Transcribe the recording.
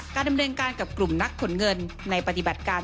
ดำเนินการกับกลุ่มนักขนเงินในปฏิบัติการ